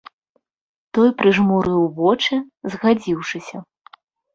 Той прыжмурыў вочы, згадзіўшыся.